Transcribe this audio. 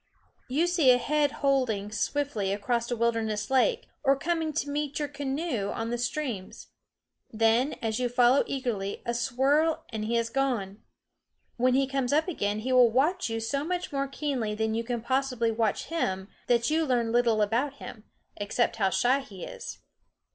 You see a head holding swiftly across a wilderness lake, or coming to meet your canoe on the streams; then, as you follow eagerly, a swirl and he is gone. When he comes up again he will watch you so much more keenly than you can possibly watch him that you learn little about him, except how shy he is.